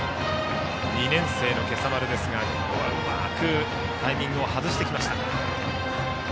２年生の今朝丸ですがうまくタイミングを外しています。